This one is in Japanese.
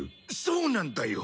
そうなんだよ。